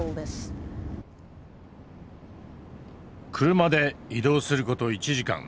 車で移動する事１時間。